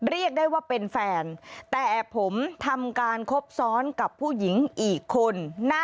เรียกได้ว่าเป็นแฟนแต่ผมทำการคบซ้อนกับผู้หญิงอีกคน